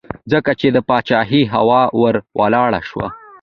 ځکه یې د پاچهۍ هوا ور ولاړه شوه.